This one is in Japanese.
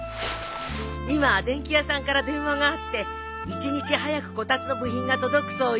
今電器屋さんから電話があって１日早くこたつの部品が届くそうよ。